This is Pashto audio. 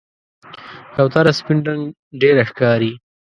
کوتره سپین رنګ ډېره ښکاري.